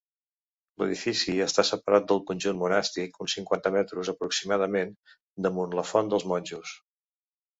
L'edifici està separat del conjunt monàstic uns cinquanta metres aproximadament damunt la Font dels Monjos.